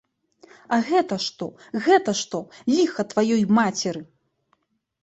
А гэта што, гэта што, ліха тваёй мацеры?